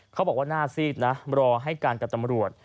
เขาบอกว่าหน้าซีดนะรอให้การกับตำรวจ